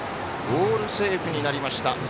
オールセーフになりました。